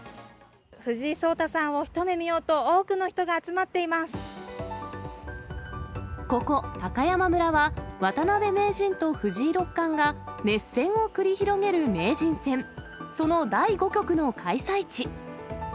藤井聡太さんを一目見ようと、ここ、高山村は、渡辺名人と藤井六冠が熱戦を繰り広げる名人戦、その第５局の開催地。